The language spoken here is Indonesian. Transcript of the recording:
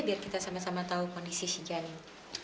biar kita sama sama tahu kondisi si janin